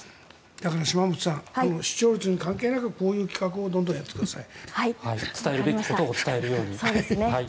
だから島本さん、視聴率に関係なくこういう企画をどんどんやってください。